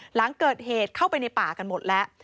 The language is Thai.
หลังเกิดเหตุเข้าไปในป่ากันหมดแล้ว